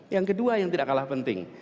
yang kedua yang tidak kalah penting